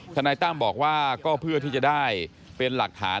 นายตั้มบอกว่าก็เพื่อที่จะได้เป็นหลักฐาน